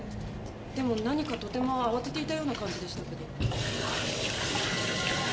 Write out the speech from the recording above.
でも何かとても慌てていたような感じでしたけど。